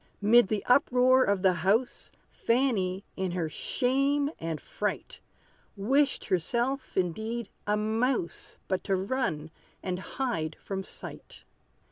'Mid the uproar of the house, Fanny, in her shame and fright, Wished herself indeed a mouse, But to run and hide from sight.